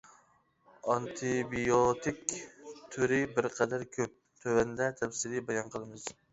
ئانتىبىيوتىك: تۈرى بىرقەدەر كۆپ، تۆۋەندە تەپسىلىي بايان قىلىمىز.